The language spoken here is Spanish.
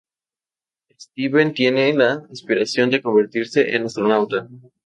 Steven tiene la aspiración de convertirse en astronauta.